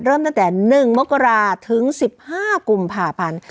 เริ่มตั้งแต่๑มกราถึง๑๕กุมภาพันธ์